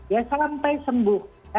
ya sampai sembuh